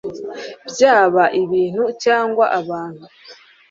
byaba ibintu cyangw abantu